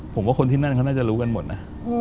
ผมว่าคนที่นั่นเขาน่าจะรู้กันหมดนะ